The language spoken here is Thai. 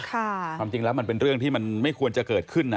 ความจริงแล้วมันเป็นเรื่องที่มันไม่ควรจะเกิดขึ้นนะ